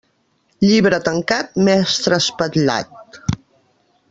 Llibre tancat, mestre espatlat.